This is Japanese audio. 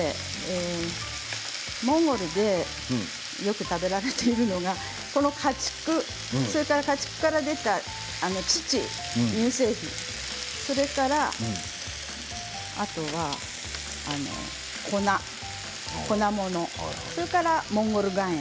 モンゴルでよく食べられているのが家畜それから家畜から出た乳乳製品、それから粉、粉ものそれからモンゴル岩塩。